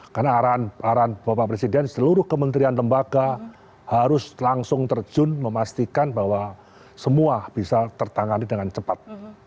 karena arahan bapak presiden seluruh kementerian lembaga harus langsung terjun memastikan bahwa semua bisa tertangani dengan cepat